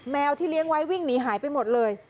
ที่เลี้ยงไว้วิ่งหนีหายไปหมดเลย